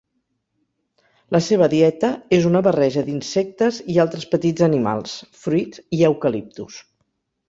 La seva dieta és una barreja d'insectes i altres petits animals, fruits, i eucaliptus.